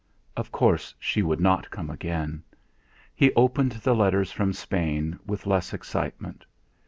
Of course she would not come again! He opened the letters from Spain with less excitement.